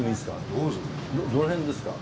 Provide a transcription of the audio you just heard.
どの辺ですか？